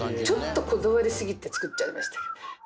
ちょっとこだわり過ぎて作っちゃいました。